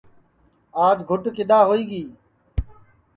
آج گُٹ کِدؔا ہوئی گی